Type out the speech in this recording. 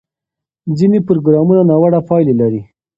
ځینې پروګرامونه ناوړه پایلې لري.